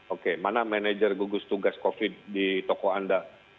oke mana manajer gugus tugas covid di toko anda